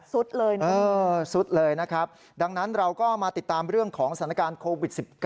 สุดเลยนะครับดังนั้นเราก็มาติดตามเรื่องของสถานการณ์โควิด๑๙